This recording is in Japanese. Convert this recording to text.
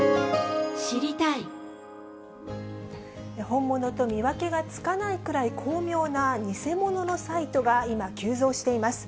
本物と見分けがつかないくらい、巧妙な偽物のサイトが今、急増しています。